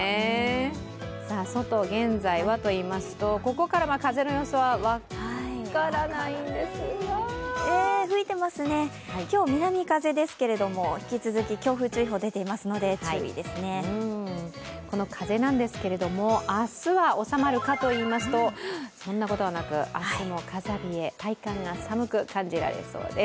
外、現在はといいますと、ここから風の様子は分からないんですが吹いてますね、今日は南風ですけれども、引き続き強風注意報が出ているのでこの風なんですが、明日は収まるかといいますと、そんなことはなく、明日も風冷え、体感が寒く感じそうです。